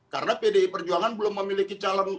karena pdi perjuangan belum memiliki calon